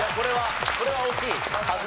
これは大きいはず。